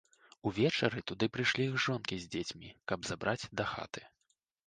Увечары туды прыйшлі іх жонкі з дзецьмі, каб забраць дахаты.